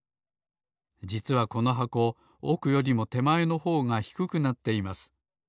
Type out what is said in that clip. じつはこの箱おくよりもてまえのほうがひくくなっています。